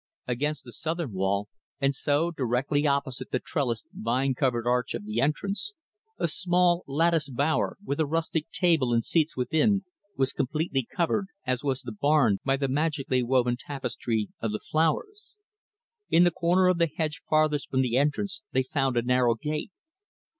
Against the southern wall, and, so, directly opposite the trellised, vine covered arch of the entrance, a small, lattice bower, with a rustic table and seats within, was completely covered, as was the barn, by the magically woven tapestry of the flowers. In the corner of the hedge farthest from the entrance they found a narrow gate.